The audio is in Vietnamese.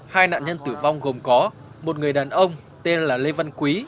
hai nạn nhân tử vong gồm có một người đàn ông tên là lê văn quý